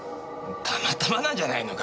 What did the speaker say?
たまたまなんじゃないのか？